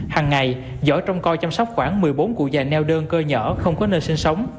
hằng ngày giở trong coi chăm sóc khoảng một mươi bốn cụ già neo đơn cơ nhở không có nơi sinh sống